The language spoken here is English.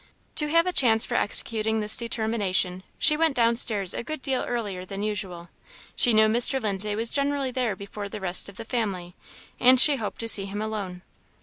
To have a chance for executing this determination, she went down stairs a good deal earlier than usual; she knew Mr. Lindsay was generally there before the rest of the family, and she hoped to see him alone.